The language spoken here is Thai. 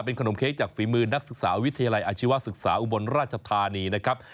ขนมเค้กจากฝีมือนักศึกษาวิทยาลัยอาชีวศึกษาอุบลราชธานีนะครับ